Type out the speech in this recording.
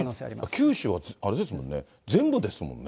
九州はあれですもんね、全部ですもんね。